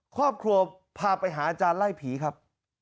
ครอบครัวพาไปหาอาจารย์ไล่ผีครับ